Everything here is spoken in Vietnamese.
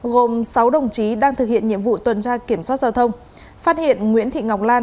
gồm sáu đồng chí đang thực hiện nhiệm vụ tuần tra kiểm soát giao thông phát hiện nguyễn thị ngọc lan